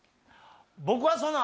僕はそんな。